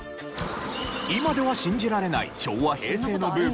今では信じられない昭和平成のブーム